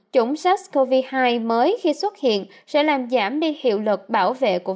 chủng sars cov hai mới khi xuất hiện sẽ làm giảm đi hiệu lực bảo vệ của vắc chung